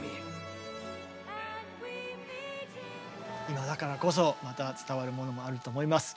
今だからこそまた伝わるものもあると思います。